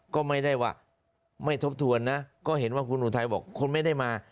ก็ไม่ได้ว่าไม่ทบทวนนะก็เห็นว่าคุณอุทัยบอกคุณไม่ได้มา